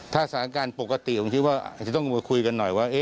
ถ้าสถานการณ์ปกติผมคิดว่าอาจจะต้องมาคุยกันหน่อยว่า